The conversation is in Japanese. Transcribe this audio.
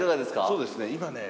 そうですね